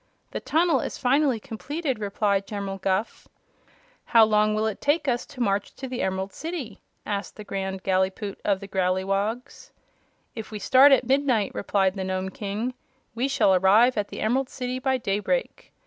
"The tunnel is finally completed," replied General Guph. "How long will it take us to march to the Emerald City?" asked the Grand Gallipoot of the Growleywogs. "If we start at midnight," replied the Nome King, "we shall arrive at the Emerald City by daybreak.